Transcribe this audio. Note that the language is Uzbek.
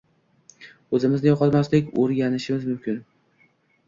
o‘zimizni yo‘qotmaslikni o‘rganishimiz mumkin.